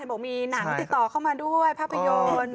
บอกมีหนังติดต่อเข้ามาด้วยภาพยนตร์